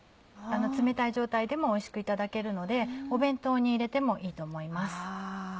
冷たい状態でもおいしくいただけるので弁当に入れてもいいと思います。